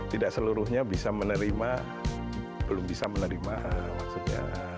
tidak seluruhnya bisa menerima belum bisa menerima maksudnya